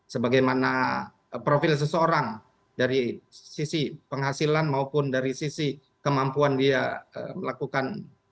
sebagaimana profil seseorang dari sisi penghasilan maupun dari sisi kemampuan dia melakukan